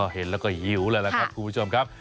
เห็นแล้วก็หิวเลยล่ะครับคุณผู้ชมครับ